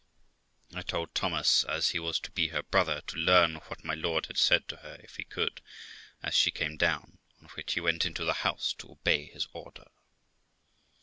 I told Thomas, as he was to be her brother, to learn what my lord had said to her, if he could, as she came down; on which he went into the house to obey his order.